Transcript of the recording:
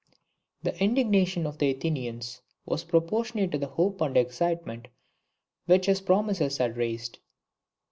The indignation of the Athenians was proportionate to the hope and excitement which his promises had raised.